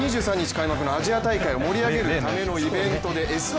開幕のアジア大会を盛り上げるためのイベントで「Ｓ☆１」